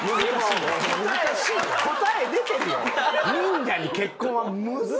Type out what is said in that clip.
答え出てるよ。